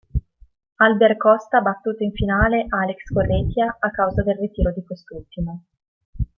Albert Costa ha battuto in finale Àlex Corretja a causa del ritiro di quest'ultimo.